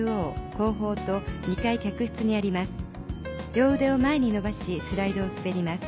「両腕を前に伸ばしスライドを滑ります」